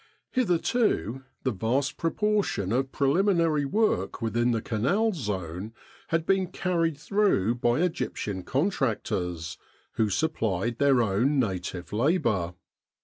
Hitherto the vast proportion of preliminary work within the Canal zone had been carried through by Egyptian contractors, who supplied their own native labour.